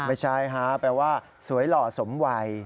ไม่ใช่ฮะแปลว่าสวยหล่อสมวัย